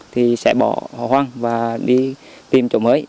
thì sẽ bỏ hoang và đi tìm chỗ mới